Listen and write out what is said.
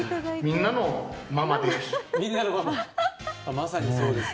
まさにそうですね。